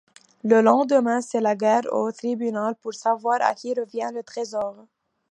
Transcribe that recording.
Le lendemain, c'est la guerre au tribunal pour savoir à qui revient le trésor.